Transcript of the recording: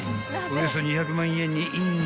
およそ２００万円にイン］